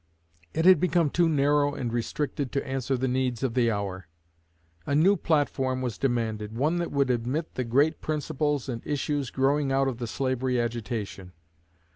It had become too narrow and restricted to answer the needs of the hour. A new platform was demanded, one that would admit the great principles and issues growing out of the slavery agitation.